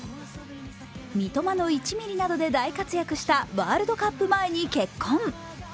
三笘の１ミリなどで大活躍したワールドカップ前に結婚。